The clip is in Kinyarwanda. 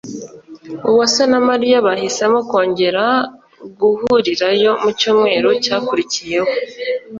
Uwase na Mariya bahisemo kongera guhurirayo mu cyumweru cyakurikiyeho.